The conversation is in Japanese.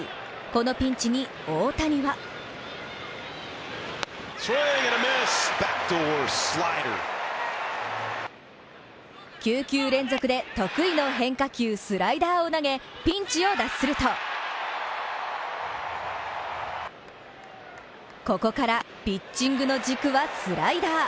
このピンチに大谷は９球連続で得意の変化球、スライダーを投げピンチを脱するとここから、ピッチングの軸はスライダー。